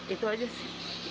itu aja sih